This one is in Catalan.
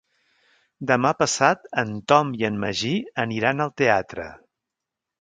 Demà passat en Tom i en Magí aniran al teatre.